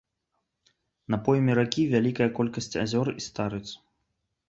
На пойме ракі вялікая колькасць азёр і старыц.